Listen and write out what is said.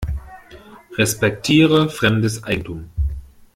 Respektiere fremdes Eigentum.